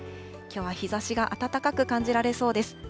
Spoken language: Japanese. きょうは日ざしが暖かく感じられそうです。